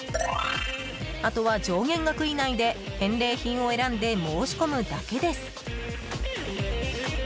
あとは上限額以内で返礼品を選んで申し込むだけです。